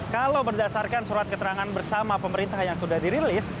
kalau berdasarkan surat keterangan bersama pemerintah yang sudah dirilis